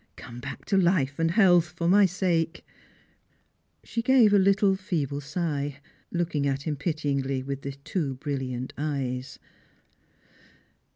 Come back to life and health, for my sake !" She gave a little feeble sigh, looking at him pityingly with the too brilliant eyes.